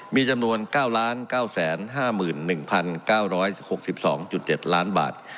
มีจำนวน๙๙๕๑๙๖๒๗ล้านบาท